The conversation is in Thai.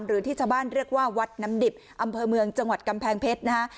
หรือที่ชาวบ้านเรียกว่าวัดน้ำดิบอำเภอเมืองจังหวัดกำแพงเพชรนะฮะ